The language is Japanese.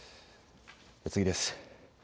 次です。